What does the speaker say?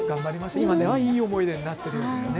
今ではいい思い出になっていますね。